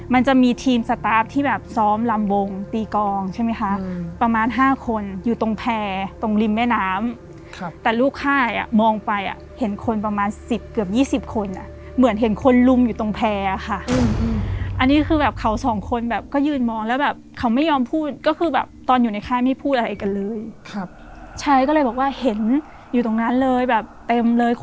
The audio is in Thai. มันจะมีทีมสตาร์ฟที่แบบซ้อมลำวงตีกองใช่ไหมคะประมาณห้าคนอยู่ตรงแพร่ตรงริมแม่น้ำครับแต่ลูกค่ายอ่ะมองไปอ่ะเห็นคนประมาณสิบเกือบยี่สิบคนอ่ะเหมือนเห็นคนลุมอยู่ตรงแพร่ค่ะอันนี้คือแบบเขาสองคนแบบก็ยืนมองแล้วแบบเขาไม่ยอมพูดก็คือแบบตอนอยู่ในค่ายไม่พูดอะไรกันเลยครับชายก็เลยบอกว่าเห็นอยู่ตรงนั้นเลยแบบเต็มเลยค